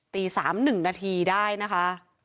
ตี๓หนึ่งนาทีได้นะฮะ